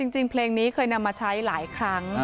จริงเพลงนี้เคยนำมาใช้หลายครั้ง